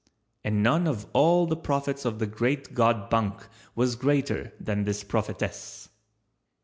And none of all the prophets of the Great God Bunk was greater than this prophetess.